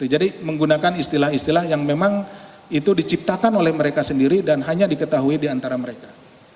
menggunakan istilah istilah yang memang itu diciptakan oleh mereka sendiri dan hanya diketahui di antara mereka